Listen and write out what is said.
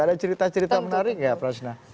ada cerita cerita menarik nggak prasna